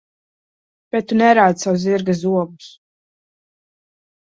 Bet tu nerādi savus zirga zobus.